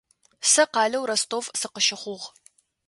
Сэ къалэу Ростов сыкъыщыхъугъ.